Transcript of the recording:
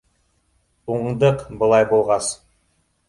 — Уңдыҡ былай булғас.